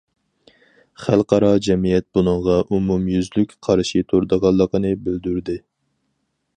خەلقئارا جەمئىيەت بۇنىڭغا ئومۇميۈزلۈك قارشى تۇرىدىغانلىقىنى بىلدۈردى.